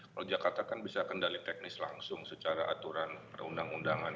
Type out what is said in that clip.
kalau jakarta kan bisa kendali teknis langsung secara aturan perundang undangan